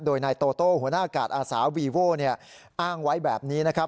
โดยนายโตโต้หัวหน้ากาดอาสาวีโว้อ้างไว้แบบนี้นะครับ